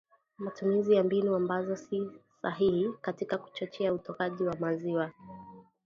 Matumizi ya mbinu ambazo si sahihi katika kuchochea utokaji wa maziwa